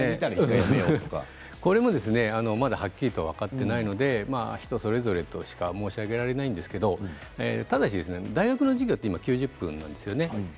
これもまだはっきりと分かっていないので人それぞれとしか申し上げられないんですけれどただ大学の授業は今、９０分ですよね。